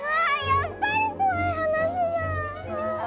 やっぱりこわいはなしだあ！